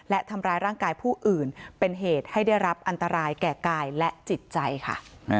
และทำร้ายร่างกายผู้อื่นเป็นเหตุให้ได้รับอันตรายแก่กายและจิตใจค่ะ